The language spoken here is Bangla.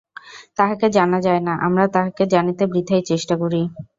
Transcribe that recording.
তাঁহাকে জানা যায় না, আমরা তাঁহাকে জানিতে বৃথাই চেষ্টা করি।